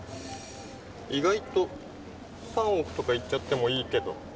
意外と３億とかいっちゃってもいいけど。